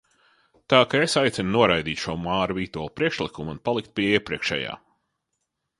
Tā ka es aicinu noraidīt šo Māra Vītola priekšlikumu un palikt pie iepriekšējā.